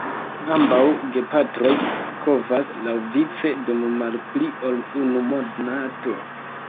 Ambaŭ gepatroj kovas laŭvice dum malpli ol unu monato.